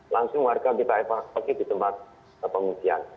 langsung warga kita pakai di tempat pengisian